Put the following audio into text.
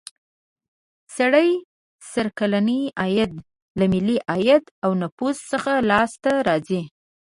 سړي سر کلنی عاید له ملي عاید او نفوسو څخه لاس ته راځي.